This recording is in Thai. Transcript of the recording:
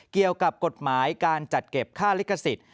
เกี่ยวกับกฎหมายการจัดเก็บค่าลิขสิทธิ์